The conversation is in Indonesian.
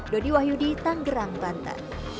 dodi wahyudi tanggerang banta